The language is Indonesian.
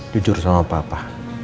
jujur sama papa